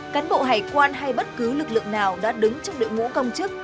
cán bộ hải quan hay bất cứ lực lượng nào đã đứng trong đội ngũ công chức